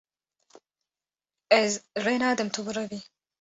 Ez rê nadim tu birevî.